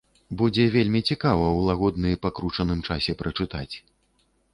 Будзе вельмі цікава ў лагодны па кручаным часе прачытаць.